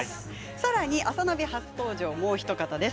さらに、「あさナビ」初登場もうお一方です。